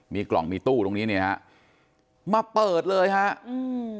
มีกล่องมีตู้ตรงนี้เนี่ยฮะมาเปิดเลยฮะอืม